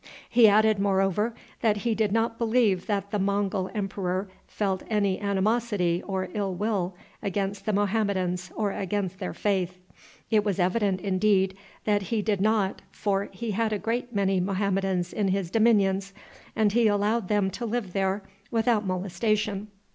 He added, moreover, that he did not believe that the Mongul emperor felt any animosity or ill will against the Mohammedans or against their faith. It was evident, indeed, that he did not, for he had a great many Mohammedans in his dominions, and he allowed them to live there without molestation.